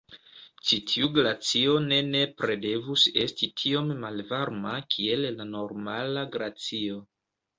Ĉi tiu glacio ne nepre devus esti tiom malvarma kiel la normala glacio.